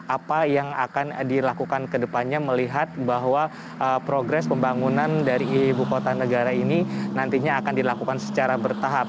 apa yang akan dilakukan kedepannya melihat bahwa progres pembangunan dari ibu kota negara ini nantinya akan dilakukan secara bertahap